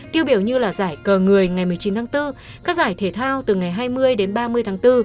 tiêu biểu như là giải cờ người ngày một mươi chín tháng bốn các giải thể thao từ ngày hai mươi đến ba mươi tháng bốn